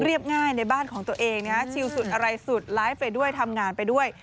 ง่ายในบ้านของตัวเองนะฮะชิลสุดอะไรสุดไลฟ์ไปด้วยทำงานไปด้วย